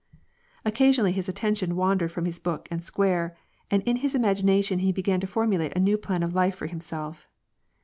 Occasion ally, his attention wandered from his book and Square, and in his imagination he began to formulate a new plan of life for himself.